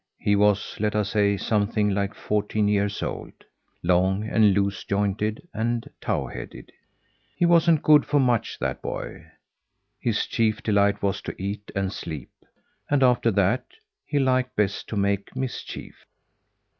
He was let us say something like fourteen years old; long and loose jointed and towheaded. He wasn't good for much, that boy. His chief delight was to eat and sleep; and after that he liked best to make mischief.